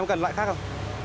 em cần loại khác không